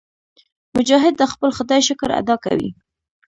مجاهد د خپل خدای شکر ادا کوي.